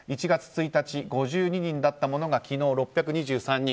１月１日、５２人だったものが昨日は６２３人。